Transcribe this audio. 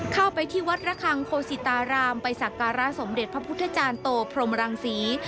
เข้าไปที่วัดระคังโคสิตารามไปสักการะสมเด็จพระพุทธจารย์โตพรมรังศรี